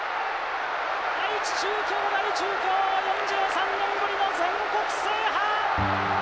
愛知中京大中京４３年ぶりの全国制覇。